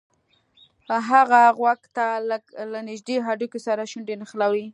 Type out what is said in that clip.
هغه غوږ ته له نږدې هډوکي سره شونډې نښلولې